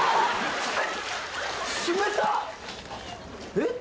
えっ？